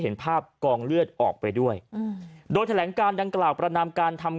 เห็นภาพกองเลือดออกไปด้วยอืมโดยแถลงการดังกล่าวประนามการทำ